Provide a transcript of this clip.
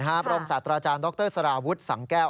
รองศาสตราจารย์ดรสารวุฒิสังแก้ว